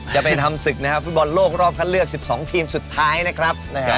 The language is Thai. จะไปทำศึกนะครับฟุตบอลโลกรอบคัดเลือก๑๒ทีมสุดท้ายนะครับ